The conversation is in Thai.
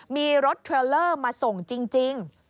มีรถเทรลเลอร์มาส่งจริง